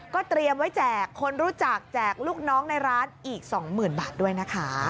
เตรียมไว้แจกคนรู้จักแจกลูกน้องในร้านอีก๒๐๐๐บาทด้วยนะคะ